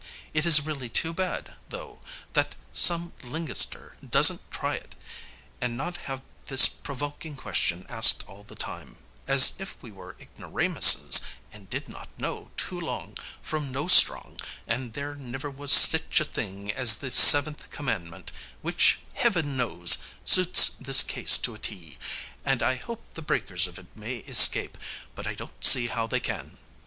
It is really too bad, though, that some lingister doesn't try it, and not have this provoking question asked all the time, as if we were ignoramuses, and did not know Toolong from No Strong, and there never was sich a thing as the seventh commandment, which, Heaven knows, suits this case to a T, and I hope the breakers of it may escape, but I don't see how they can.